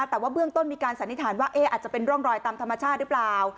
แต่ว่าเบื้องต้นมีการสันนิษฐานว่าอาจจะเป็นร่องรอยตามธรรมชาติหรือเปล่า